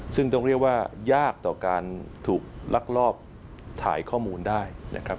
ซึ่งต้องเรียกว่ายากต่อการถูกลักลอบถ่ายข้อมูลได้นะครับ